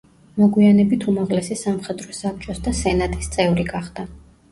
მოგვიანებით უმაღლესი სამხედრო საბჭოს და სენატის წევრი გახდა.